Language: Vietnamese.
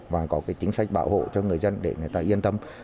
và có chính sách bảo hộ cho người dân để người ta yên tâm